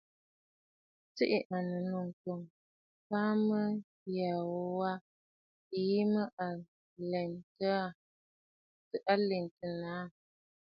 Tsiʼì ànnù nɨ̂ŋkoŋ, faà mə̀ yə yu wa yìi mə lèntə nàâ.